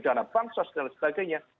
dana bansos dan sebagainya